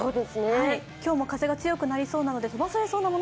今日も風が強くなりそうなので飛ばされそうなもの